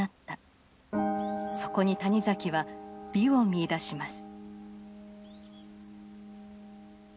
そこに谷崎は美を見いだします。